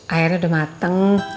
airnya udah mateng